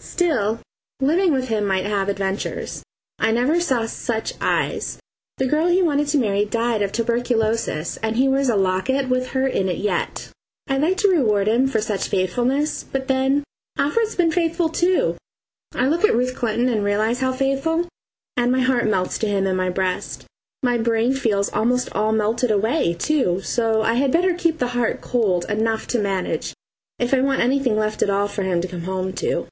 Still, living with him might have adventures. I never saw such eyes! The girl he wanted to marry died of turberculosis, and he wears a locket with her in it yet. I'd like to reward him for such faithfulness. But then Alfred's been faithful too! I look at Ruth Clinton and realise how faithful, and my heart melts to him in my breast my brain feels almost all melted away, too, so I had better keep the heart cold enough to manage, if I want anything left at all for him to come home to.